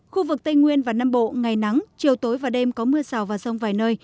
khu vực tây nguyên và nam bộ ngày nắng chiều tối và đêm có mưa rào và rông vài nơi